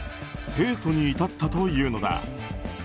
提訴に至ったというのだ。